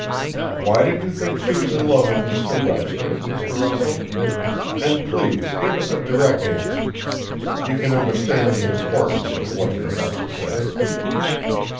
"Why did you think she was in love with Mr. Webster, Mr. Russell? And please give us a direct answer. You can understand the importance of what you're about to say."